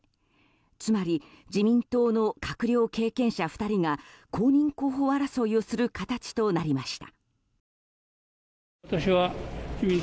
つまり自民党の閣僚経験者２人が公認候補争いをする形となりました。